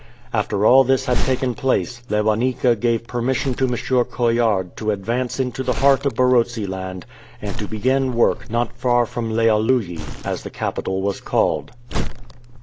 After all this had taken place, Lewanika gave permission to M. Coillard to advance into the heart of Barotseland and to begin work not far from Lealuyi, as the capital was called.